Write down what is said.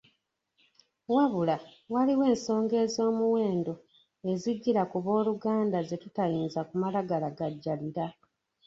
Wabula, waliwo ensonga ez’omuwendo ezijjira ku booluganda ze tutayinza kumala galagajjalira.